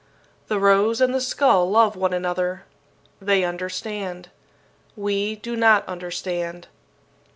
The rose and the skull love one another. They understand. We do not understand.